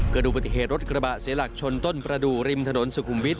ดูปฏิเหตุรถกระบะเสียหลักชนต้นประดูกริมถนนสุขุมวิทย